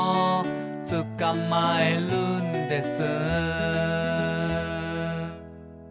「つかまえるんです」